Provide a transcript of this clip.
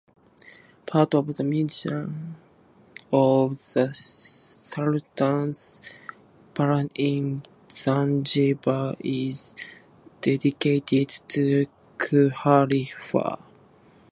Part of the museum of the Sultan's Palace in Zanzibar is dedicated to Khalifa.